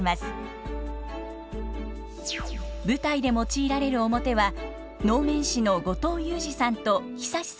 舞台で用いられる面は能面師の後藤祐自さんと尚志さん